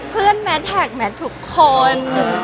เพื่อนแมนฮากแมนทุกคน